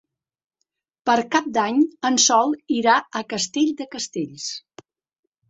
Per Cap d'Any en Sol irà a Castell de Castells.